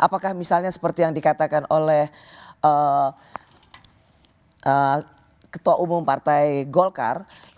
apakah misalnya seperti yang dikatakan oleh ketua umum partai golkar